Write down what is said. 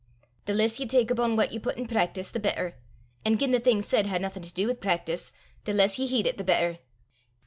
The less ye tak abune what ye put in practice the better; an' gien the thing said hae naething to du wi' practice, the less ye heed it the better.